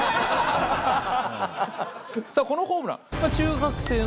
さぁこのホームラン。